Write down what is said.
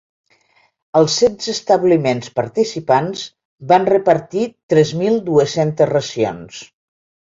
Els setze establiments participants van repartir tres mil dues-centes racions.